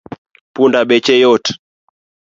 Punda beche yot